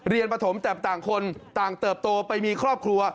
ปฐมแต่ต่างคนต่างเติบโตไปมีครอบครัว